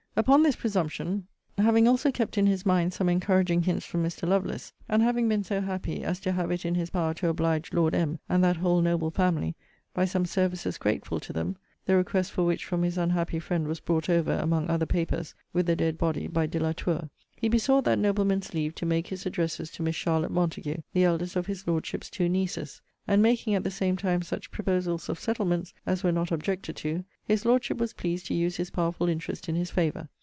Upon this presumption, having also kept in his mind some encouraging hints from Mr. Lovelace; and having been so happy as to have it in his power to oblige Lord M. and that whole noble family, by some services grateful to them (the request for which from his unhappy friend was brought over, among other papers, with the dead body, by De la Tour); he besought that nobleman's leave to make his addresses to Miss CHARLOTTE MONTAGUE, the eldest of his Lordship's two nieces: and making at the same time such proposals of settlements as were not objected to, his Lordship was pleased to use his powerful interest in his favour.